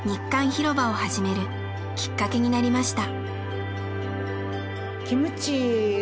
ひろばを始めるきっかけになりました。